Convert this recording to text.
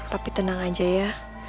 papi tenang aja ya